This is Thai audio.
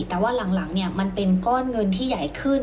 แต่ว่าหลังมันเป็นก้อนเงินที่ใหญ่ขึ้น